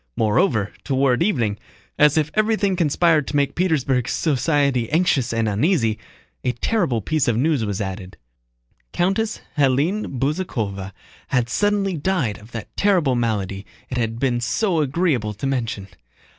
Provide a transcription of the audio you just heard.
Moreover, toward evening, as if everything conspired to make Petersburg society anxious and uneasy, a terrible piece of news was added. Countess Hélène Bezúkhova had suddenly died of that terrible malady it had been so agreeable to mention.